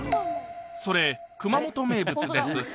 それ熊本名物です